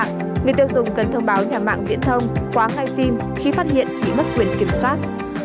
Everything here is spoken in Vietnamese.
người tiêu dùng cần thông báo nhà mạng viễn thông khóa ngay sim khi phát hiện bị mất quyền kiểm soát